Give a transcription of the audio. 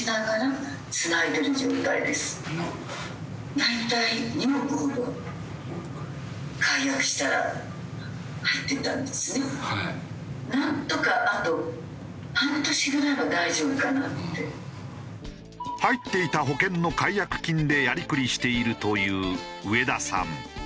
大体入っていた保険の解約金でやりくりしているという上田さん。